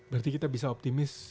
berarti kita bisa optimis